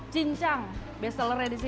cin cang bestsellernya di sini